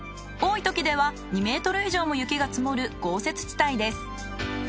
多いときでは２ｍ以上も雪が積もる豪雪地帯です。